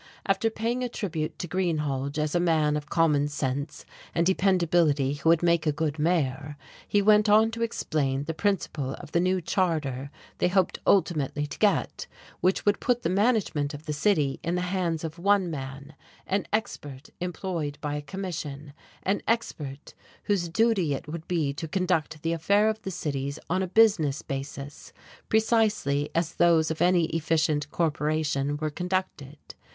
After paying a tribute to Greenhalge as a man of common sense and dependability who would make a good mayor, he went on to explain the principle of the new charter they hoped ultimately to get, which should put the management of the city in the hands of one man, an expert employed by a commission; an expert whose duty it would be to conduct the affairs of the city on a business basis, precisely as those of any efficient corporation were conducted.